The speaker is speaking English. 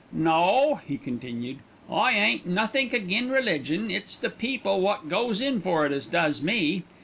"No," he continued, "I ain't nothink agin' religion; it's the people wot goes in for it as does me.